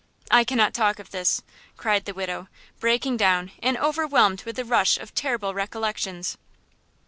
I cannot talk of this!" cried the widow, breaking down, overwhelmed with the rush of terrible recollections.